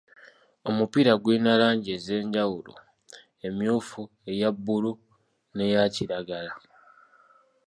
Omupiira gulina langi ez'enjawulo emyufu, eya bbululu, n'eya kiragala.